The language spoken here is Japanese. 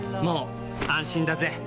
もう安心だぜ！